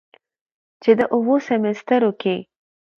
چې دا اووه سميسترو کې